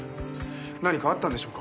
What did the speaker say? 何かあったんでしょうか。